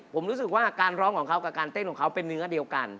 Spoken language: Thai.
ผมรู้สึกว่าการร้องของเขากับการเต้นของเขาเป็นเนื้อเดียวกัน